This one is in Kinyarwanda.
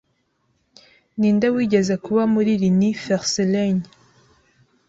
Ninde wigeze kuba muri Lunis Felsenreihn